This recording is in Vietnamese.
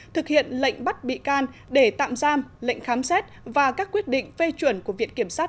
thực hiện lệnh bắt bị can để tạm giam lệnh khám xét và các quyết định phê chuẩn của viện kiểm sát